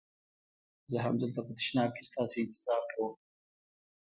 زه همدلته په تشناب کې ستاسي انتظار کوم.